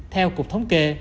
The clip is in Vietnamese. theo cục thống kê